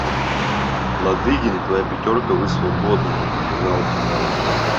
– Ладыгин и твоя пятерка, вы свободны, – сказал Тимур.